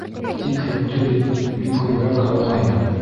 Тик һөттө бит мин күберәк һауғайным!